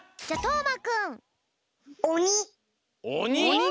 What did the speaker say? おに。